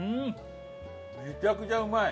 めちゃくちゃうまい！